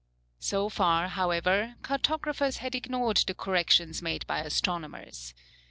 So far, however, cartographers had ignored the corrections made by astronomers.